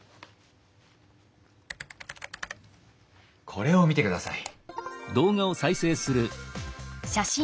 これを見てください。